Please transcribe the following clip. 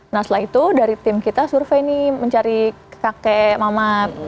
nah setelah itu dari tim kita survei nih mencari kakek mamat